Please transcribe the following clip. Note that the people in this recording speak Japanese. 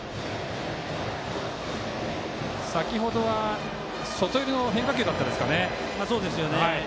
先ほどは外寄りの変化球でしたかね。